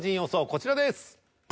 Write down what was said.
こちらです。